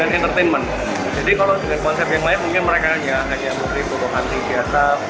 jadi kalau dengan konsep yang lain mungkin mereka hanya mempunyai bentuk henti biasa